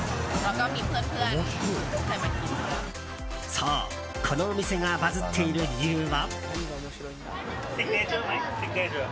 そう、このお店がバズっている理由は。